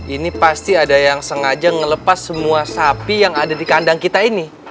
ini pasti ada yang sengaja ngelepas semua sapi yang ada di kandang kita ini